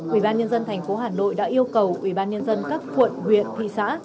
ubnd tp hà nội đã yêu cầu ubnd các quận huyện thị xã